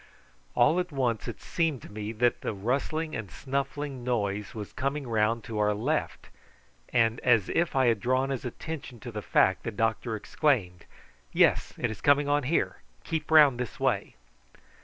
All at once it seemed to me that the rustling and snuffling noise was coming round to our left, and as if I had drawn his attention to the fact, the doctor exclaimed: "Yes, it is coming on here; keep round this way."